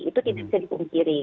itu tidak bisa dipungkiri